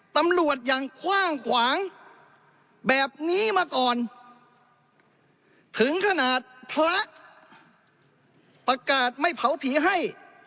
ตำรวจอย่างคว่างขวางแบบนี้มาก่อนถึงขนาดพระประกาศไม่เผาผีให้